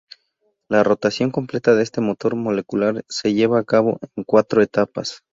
La rotación completa de este motor molecular se lleva a cabo en cuatro etapas.